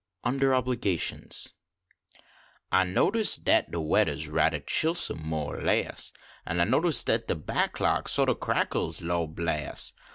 UNDER OBLIGATIONS I notice dat de weddah s ratliah chilsome, mo or less, An I notice dat de back log so t o crackles, Lor bress